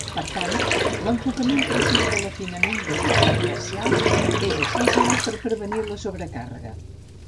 Per tant, l'enfocament precís de l'afinament desitjat parcial és essencial per prevenir la sobrecàrrega.